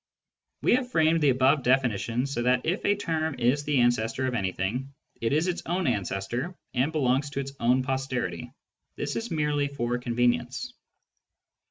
We have framed the above definitions so that if a term is the ancestor of anything it is its own ancestor and belongs to its own posterity. This is merely for convenience.